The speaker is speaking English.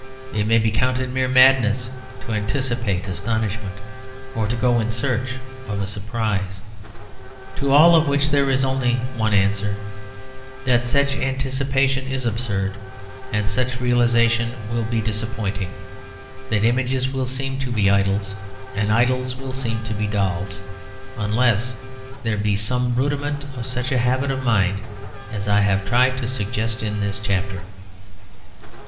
It may be counted mere madness to anticipate astonishment, or go in search of a surprise. To all of which there is only one answer; that such anticipation is absurd, and such realisation will be disappointing, that images will seem to be idols and idols will seem to be dolls, unless there be some rudiment of such a habit of mind as I have tried to suggest in this chapter.